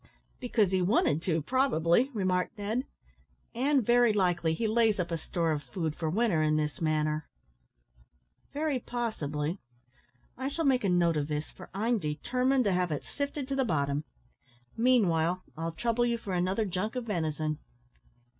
"Because he wanted to, probably," remarked Ned; "and very likely he lays up a store of food for winter in this manner." "Very possibly. I shall make a note of this, for I'm determined to have it sifted to the bottom. Meanwhile, I'll trouble you for another junk of venison."